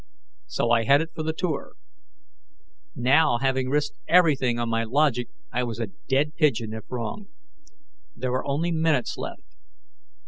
So I headed for the Tour. Now, having risked everything on my logic, I was a dead pigeon if wrong. There were only minutes left.